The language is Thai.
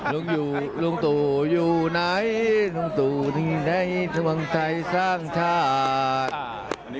ลุงตู่อยู่ไหนลุงตู่ถึงไหนทวงไทยสร้างชาติ